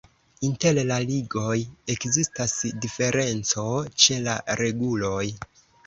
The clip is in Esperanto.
Inter la ligoj ekzistas diferenco ĉe la reguloj.